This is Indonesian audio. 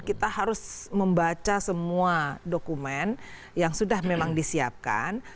kita harus membaca semua dokumen yang sudah memang disiapkan